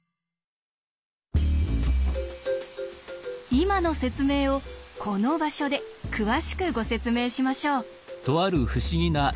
今の説明をこの場所で詳しくご説明しましょう。